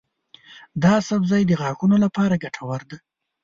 دا سبزی د غاښونو لپاره ګټور دی.